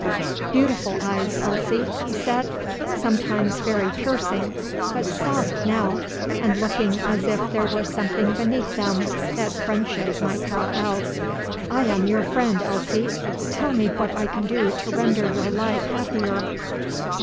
"Beautiful eyes, Elsie," he said, "sometimes very piercing, but soft now, and looking as if there were something beneath them that friendship might draw out. I am your friend, Elsie. Tell me what I can do to render your life happier."